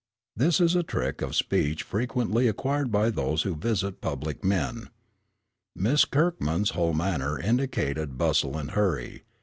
This is a trick of speech frequently acquired by those who visit public men. Miss Kirkman's whole manner indicated bustle and hurry.